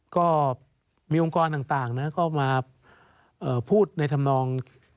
ก็มีองค์กรต่างนะเข้ามาพูดในธรรมนอง